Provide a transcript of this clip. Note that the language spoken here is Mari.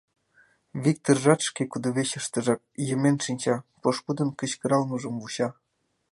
Виктыржат шке кудывечыштыжак йымен шинча, пошкудын кычкыралмыжым вуча.